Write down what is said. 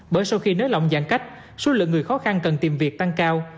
bởi sau khi nới lỏng giãn cách số lượng người khó khăn cần tìm việc tăng cao